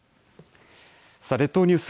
さあ列島ニュース